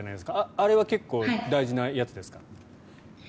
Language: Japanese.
あれは結構大事なやつですか？